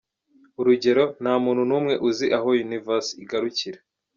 Urugero, nta muntu numwe uzi aho Universe igarukira.